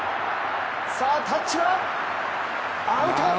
さあ、タッチはアウト！